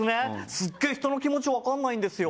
すっげえ人の気持ち分かんないんですよ